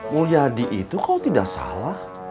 mulia di itu kau tidak salah